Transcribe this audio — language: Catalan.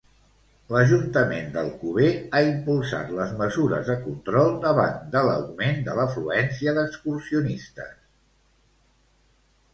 L'Ajuntament d'Alcover ha impulsat les mesures de control davant de l'augment de l'afluència d'excursionistes.